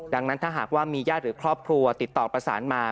ดังนั้นถ้าหากว่ามีญาติหรือครอบครัวติดต่อประสานมา